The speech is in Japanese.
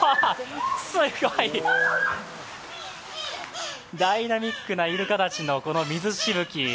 すごい、ダイナミックなイルカたちのこの水しぶき。